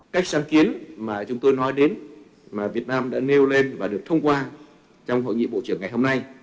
các sáng kiến mà chúng tôi nói đến mà việt nam đã nêu lên và được thông qua trong hội nghị bộ trưởng ngày hôm nay